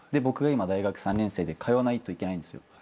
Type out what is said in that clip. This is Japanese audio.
僕が今大学３年生で通わないといけないんですよ。